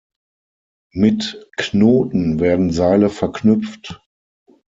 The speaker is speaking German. Mit Knoten werden Seile verknüpft.